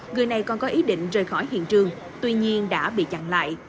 người này còn có ý định rời khỏi hiện trường tuy nhiên đã bị chặn lại